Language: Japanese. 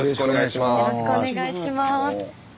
よろしくお願いします。